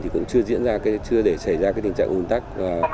thì cũng chưa diễn ra chưa để xảy ra tình trạng ủng tắc